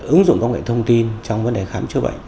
ứng dụng công nghệ thông tin trong vấn đề khám chữa bệnh